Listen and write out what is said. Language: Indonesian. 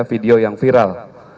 video yang viral